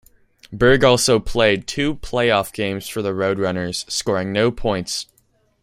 Berg also played two playoff games for the Roadrunners, scoring no points.